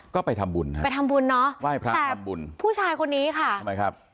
ก็ไปทำบุญฮะไปทำบุญเนอะไหว้พระทำบุญผู้ชายคนนี้ค่ะทำไมครับ